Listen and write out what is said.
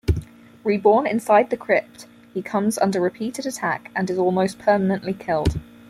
Reborn inside the crypt he comes under repeated attack and is almost permanently killed.